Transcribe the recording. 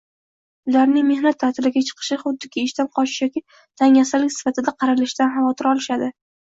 Ularning mehnat taʼtiliga chiqishi, xuddiki ishdan qochish yoki dangasalik sifatida qaralishidan xavotir olishadi.